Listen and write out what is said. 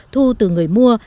thu từ người mua